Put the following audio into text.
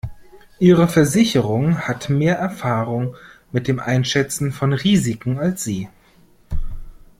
Ihre Versicherung hat mehr Erfahrung mit dem Einschätzen von Risiken als Sie.